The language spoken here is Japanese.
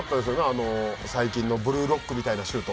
あの最近の『ブルーロック』みたいなシュート。